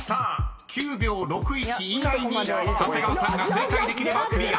［９秒６１以内に長谷川さんが正解できればクリア］